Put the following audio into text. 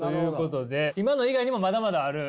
今の以外にもまだまだある？